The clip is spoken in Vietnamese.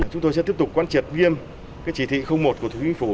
chúng tôi sẽ tiếp tục quan triệt viêm cái chỉ thị một của thủy minh phủ